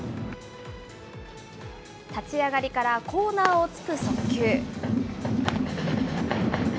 立ち上がりからコーナーを突く速球。